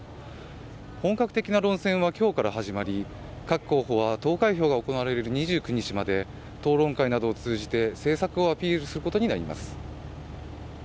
本格的な論戦は今日から始まり各候補は投開票が行われる２９日まで討論会などを通じて政策をアピールすることになります。